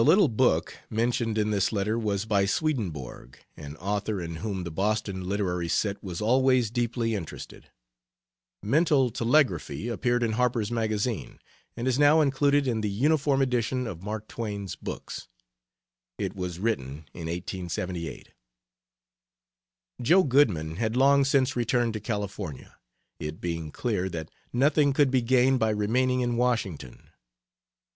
C. The "little book" mentioned in this letter was by Swedenborg, an author in whom the Boston literary set was always deeply interested. "Mental Telegraphy" appeared in Harper's Magazine, and is now included in the Uniform Edition of Mark Twain's books. It was written in 1878. Joe Goodman had long since returned to California, it being clear that nothing could be gained by remaining in Washington.